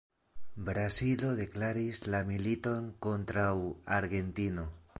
Brazilo deklaris la militon kontraŭ Argentino.